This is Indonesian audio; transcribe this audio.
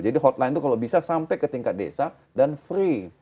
jadi hotline itu kalau bisa sampai ke tingkat desa dan free